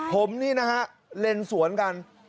ผมนี่นะฮะเลนสวนกัน